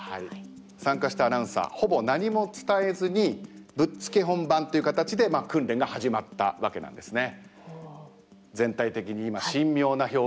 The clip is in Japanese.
参加したアナウンサーほぼ何も伝えずにぶっつけ本番という形で訓練が始まったわけなんですね。